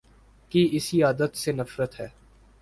کی اسی عادت سے نفرت ہے